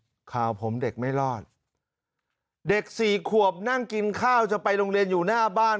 ข่าวผมเด็กไม่รอดเด็กสี่ขวบนั่งกินข้าวจะไปโรงเรียนอยู่หน้าบ้าน